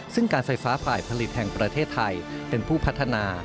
ซึ่งการไฟฟ้าฝ่ายผลิตแห่งประเทศไทยเป็นผู้พัฒนา